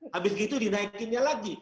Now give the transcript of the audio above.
habis itu dinaikinnya lagi